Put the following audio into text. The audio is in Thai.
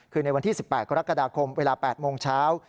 คือในวันที่๑๘กรกฎาคมเวลา๘โมงเช้า